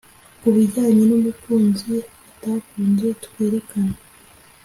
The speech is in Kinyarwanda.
Kubijyanye n’umukunzi atakunze kwerekana